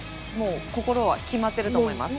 心は決まっていると思います。